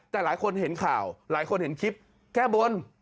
แต่หลายคนเห็นข่าวหลายคนเห็นคลิปแก้บน